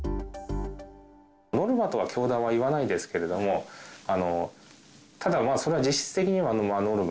ノルマとは教団は言わないですけれども、ただまあ、それは実質的にはノルマ。